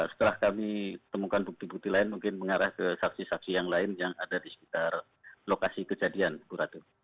setelah kami temukan bukti bukti lain mungkin mengarah ke saksi saksi yang lain yang ada di sekitar lokasi kejadian ibu ratu